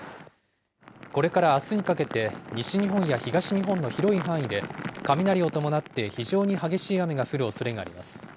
これからあすにかけて、西日本や東日本の広い範囲で雷を伴って非常に激しい雨が降るおそれがあります。